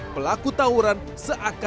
pelaku tawuran seakhir